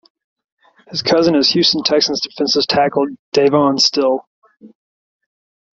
His cousin is Houston Texans defensive tackle Devon Still.